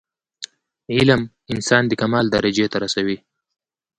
علم انسان د کمال درجي ته رسوي.